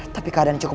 tapi keadaan cukup